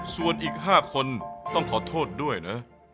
ส่วนอีก๕คนต้องขอโทษด้วยนะ